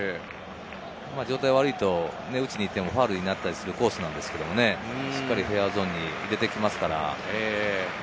状態悪いと打ちにいってもファウルになったりするコースなんですけどね、しっかりフェアゾーンに入れてきます。